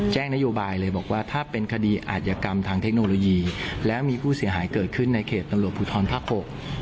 นโยบายเลยบอกว่าถ้าเป็นคดีอาจยกรรมทางเทคโนโลยีแล้วมีผู้เสียหายเกิดขึ้นในเขตตำรวจภูทรภาคหก